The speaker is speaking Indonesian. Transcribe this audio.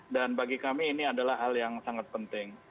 bagi kami ini adalah hal yang sangat penting